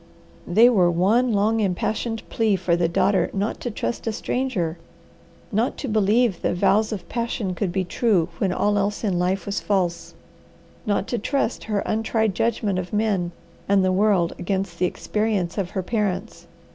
They were one long, impassioned plea for the daughter not to trust a stranger, not to believe that vows of passion could be true when all else in life was false, not to trust her untried judgment of men and the world against the experience of her parents.